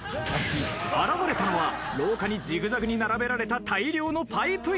現れたのは廊下にジグザグに並べられた大量のパイプ椅子。